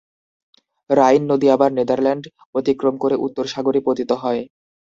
রাইন নদী আবার নেদারল্যান্ড অতিক্রম করে উত্তর সাগরে পতিত হয়।